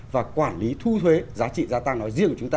và quản lý thu thuế giá trị gia tăng nói riêng của chúng ta